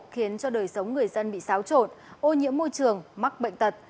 khiến cho đời sống người dân bị xáo trộn ô nhiễm môi trường mắc bệnh tật